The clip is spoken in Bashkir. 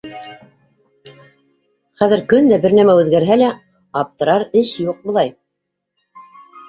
Хәҙер көн дә бер нәмә үҙгәрһә лә аптырар эш юҡ, былай.